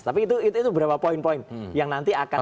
tapi itu berapa poin poin yang nanti akan